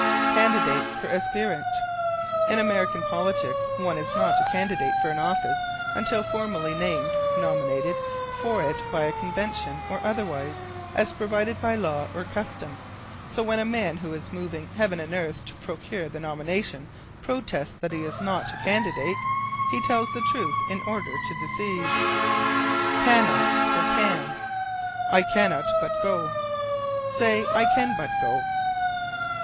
Candidate for Aspirant. In American politics, one is not a candidate for an office until formally named (nominated) for it by a convention, or otherwise, as provided by law or custom. So when a man who is moving Heaven and Earth to procure the nomination protests that he is "not a candidate" he tells the truth in order to deceive. Cannot for Can. "I cannot but go." Say, I can but go.